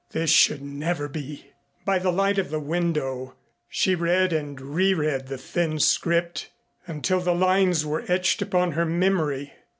This should never be. By the light of the window she read and re read the thin script until the lines were etched upon her memory.